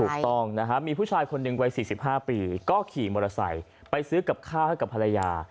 ถูกต้องนะฮะมีผู้ชายคนหนึ่งวัย๔๕ปีก็ขี่มอเตอร์ไซค์ไปซื้อกับข้าวให้กับภรรยา